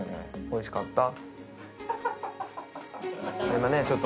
おいしかった？